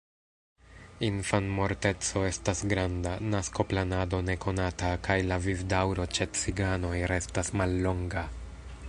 Infanmorteco estas granda, naskoplanado nekonata kaj la vivdaŭro ĉe ciganoj restas mallonga.